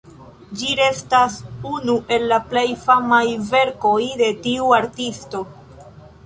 Ĝi restas unu el la plej famaj verkoj de tiu artisto.